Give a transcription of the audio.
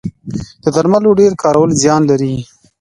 د درملو ډیر کارول زیان لري